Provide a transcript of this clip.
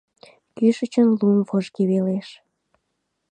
Кӱшычын лум выжге велеш.